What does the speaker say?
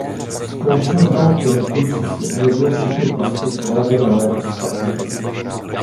Společnost Dow Chemical přísně omezuje všechny plasty s ohledem na lékařské aplikace.